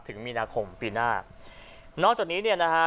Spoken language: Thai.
ถึงมีนาคมปีหน้านอกจากนี้เนี่ยนะฮะ